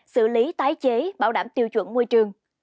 xử lý tái chế bảo đảm tiêu chuẩn môi trường